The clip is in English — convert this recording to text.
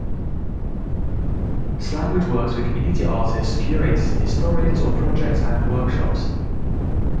Slanguage works with community artists, curators and historians on projects and workshops.